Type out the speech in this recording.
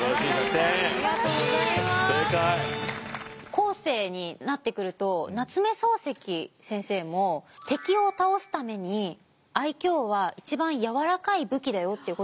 後世になってくると夏目漱石先生も敵を倒すために愛嬌は一番柔らかい武器だよっていう言葉を残してるんですよ。